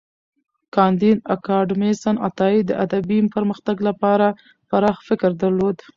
کانديد اکاډميسن عطايي د ادبي پرمختګ لپاره پراخ فکر درلود.